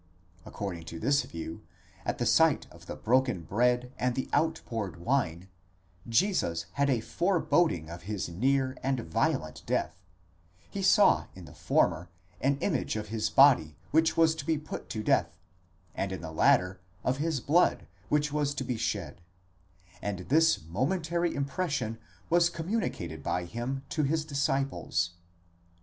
According to this view, at the sight of the broken bread and the outpoured wine, Jesus had a fore boding of his near and violent death ; he saw in the former an image of his body which was to be put to death, and in the latter of his blood which was to be shed ; and this momentary impression was communicated by him to his disciples.